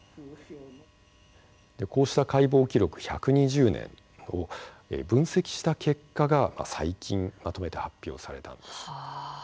こうした解剖記録１２０年を分析した結果が最近まとめて発表されたんです。